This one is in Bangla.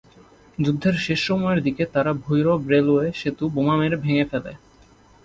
যুদ্ধের শেষ সময়ের দিকে তারা ভৈরব রেলওয়ে সেতু বোমা মেরে ভেঙ্গে ফেলে।